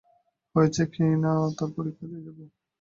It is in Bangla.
হয়েছে কি না তার পরীক্ষা দিয়ে যাব।